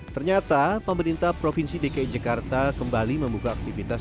ternyata pemerintah provinsi dki jakarta kembali membuka aktivitas